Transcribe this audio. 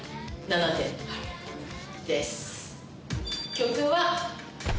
曲は。